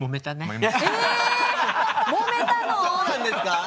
そうなんですか？